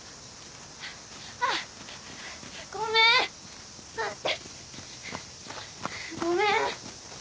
あっごめん待ってごめん